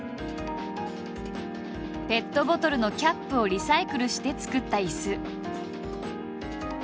ペットボトルのキャップをリサイクルして作った椅子。